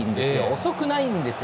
遅くないんですよ。